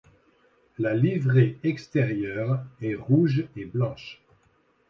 La livrée extérieure est rouge et blanche.